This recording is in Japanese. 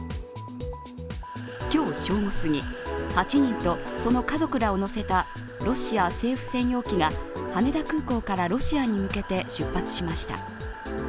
今日正午すぎ、８人とその家族らを乗せたロシア政府専用機が羽田空港からロシアに向けて出発しました。